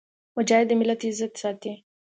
مجاهد د ملت عزت ساتي.